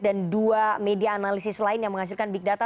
dan dua media analisis lain yang menghasilkan big data